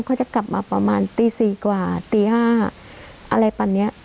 เขาจะกลับมาประมาณตี๔กว่าตี๕อะไรแบบนี้